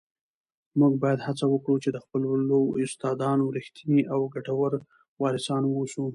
موږ باید هڅه وکړو چي د خپلو استادانو رښتیني او ګټور وارثان واوسو.